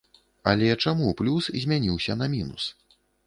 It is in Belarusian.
Але чаму плюс змяніўся на мінус?